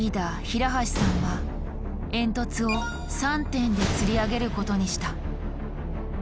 平橋さんは煙突を３点でつり上げることにした。